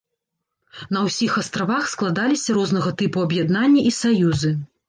На ўсіх астравах складаліся рознага тыпу аб'яднанні і саюзы.